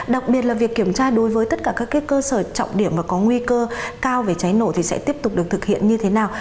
đặc biệt là việc kiểm tra đối với tất cả các cơ sở trọng điểm mà có nguy cơ cao về cháy nổ thì sẽ tiếp tục được thực hiện như thế nào